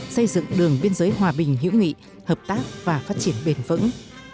xây dựng đường biên giới hòa bình hữu nghị hợp tác và phát triển bền vững